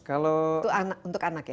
itu untuk anak ya